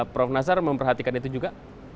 prof nasar memperhatikan itu juga